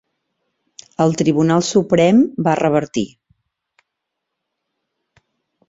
El Tribunal Suprem va revertir.